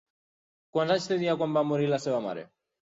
Quants anys tenia quan va morir la seva mare?